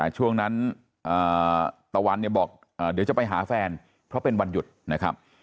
ช่วงนั้นตะวันเนี่ยบอกเดี๋ยวจะไปหาแฟนเพราะเป็นวันหยุดนะครับ